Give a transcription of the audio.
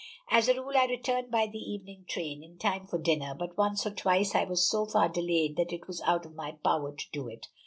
As a rule I returned by the evening train, in time for dinner, but once or twice I was so far delayed that it was out of my power to do it.